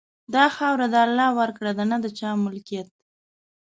دا خاوره د الله ورکړه ده، نه د چا ملکیت.